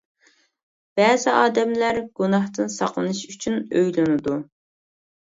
بەزى ئادەملەر گۇناھتىن ساقلىنىش ئۈچۈن ئۆيلىنىدۇ.